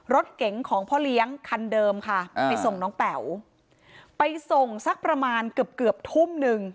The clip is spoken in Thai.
รถเก๋งของพ่อเลี้ยงคันเดิมค่ะไปส่งน้องแป๋วไปส่งสักประมาณเกือบเกือบทุ่มหนึ่ง